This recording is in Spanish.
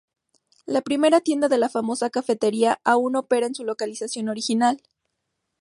La primera tienda de la famosa cafetería aún opera en su localización original.